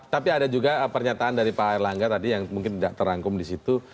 tapi ada juga pernyataan dari pak erlangga tadi yang mungkin tidak terangkum di situ